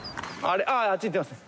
あああっち行ってますね。